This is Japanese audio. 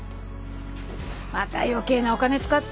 また余計なお金使って。